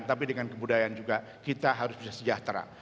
tapi dengan kebudayaan juga kita harus bisa sejahtera